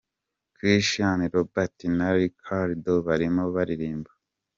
Christian Robert na Ricardo barimo baririmba.